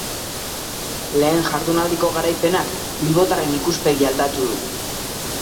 Lehen jardunaldiko garaipenak bilbotarren ikuspegia aldatu du.